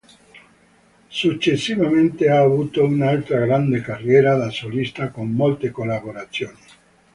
Successivamente ha avuto un'altra grande carriera da solista con molte collaborazioni.